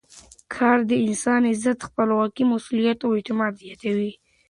کار د انسان عزت، خپلواکي، مسؤلیت او اعتماد زیاتوي.